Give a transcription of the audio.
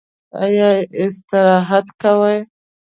ایا استراحت کوئ؟